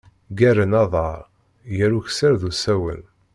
Ggaren aḍar, gar ukessar d usawen.